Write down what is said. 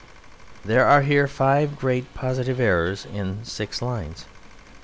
There are here five great positive errors in six lines.